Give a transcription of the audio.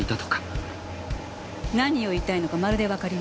何を言いたいのかまるでわかりません。